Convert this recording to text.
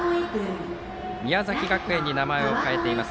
宮崎学園に名前を変えています。